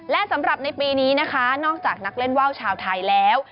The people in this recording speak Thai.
และสำหรับในปีนี้นะคะนอกจากนักเล่นว่าวชาวไทยแล้ว